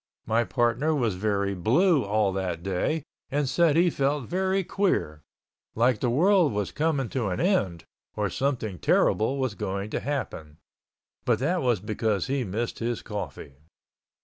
My partner was very blue all that day and said he felt very queer, like the world was coming to an end or something terrible was going to happen. But that was because he missed his coffee.